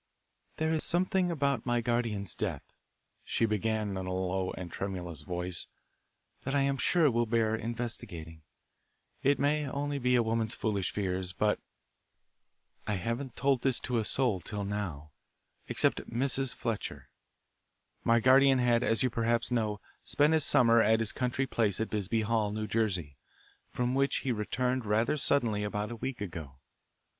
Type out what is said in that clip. "There is something about my guardian's death," she began in a low and tremulous voice, "that I am sure will bear investigating. It may be only a woman's foolish fears, but I haven't told this to a soul till now, except Mrs. Fletcher. My guardian had, as you perhaps know, spent his summer at his country place at Bisbee Hall, New Jersey, from which he returned rather suddenly about a week ago.